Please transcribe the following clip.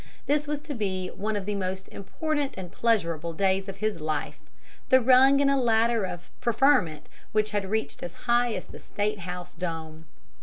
This was to be one of the most important and pleasurable days of his life, the rung in a ladder of preferment which reached as high as the state house dome!